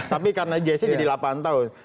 tapi karena jessi jadi delapan tahun